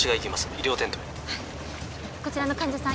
医療テントへこちらの患者さん